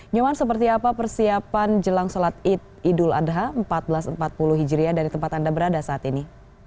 nyoman seperti apa persiapan jelang sholat id idul adha seribu empat ratus empat puluh hijriah dari tempat anda berada saat ini